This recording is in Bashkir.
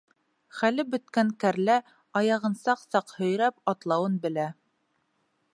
Хәле бөткән кәрлә, аяғын саҡ-саҡ һөйрәп, атлауын белә.